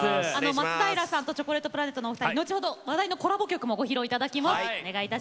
松平さんとチョコレートプラネットのお二人には後ほど話題のコラボ曲も、ご披露いただきます。